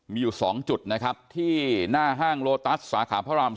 มีอยู่๒จุดนะครับที่หน้าห้างโลตัสสาขาพระราม๔